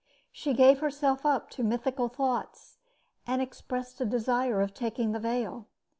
She gave herself up to mythical thoughts, and expressed a desire of taking the veil.